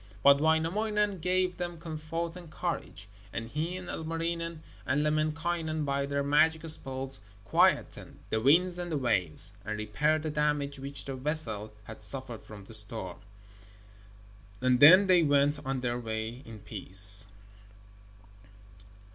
But Wainamoinen gave them comfort and courage, and he and Ilmarinen and Lemminkainen by their magic spells quietened the winds and the waves, and repaired the damage which the vessel had suffered from the storm. And then they went on their way in peace.